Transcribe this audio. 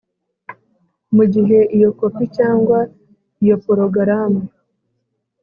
Mu gihe iyo kopi cyangwa iyo porogaramu